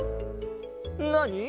なに？